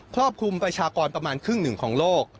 รอบคลุมประชากรประมาณครึ่งหนึ่งของโลก